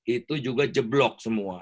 itu juga jeblok semua